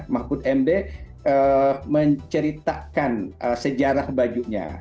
mahfud md menceritakan sejarah bajunya